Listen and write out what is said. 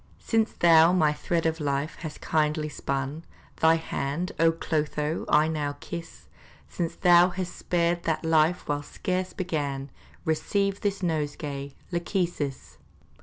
Since thou my thread of life hast kindly spun, Thy hand, O Clotho, I now kiss! Since thou hast spared that life whilst scarce begun, Receive this nosegay, Lachesis!